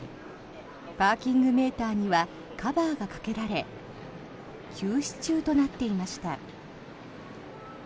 パーキングメーターにはカバーがかけられ休止中となっていました。